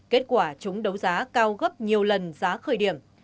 kết quả chúng đấu giá cao gấp nhiều lần giá khởi điểm